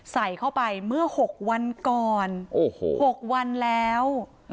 ใส่เข้าไปเมื่อ๖วันก่อน๖วันแล้ว